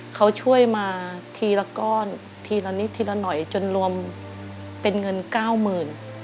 เขาช่วยมาทีละก้อนทีละนิดทีละหน่อยจนรวมเป็นเงินเก้าหมื่น